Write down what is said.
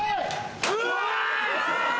うわ！